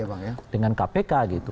mendingan kpk gitu